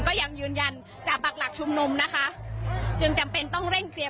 ก็ยังยืนยันจะปักหลักชุมนุมนะคะจึงจำเป็นต้องเร่งเคลียร์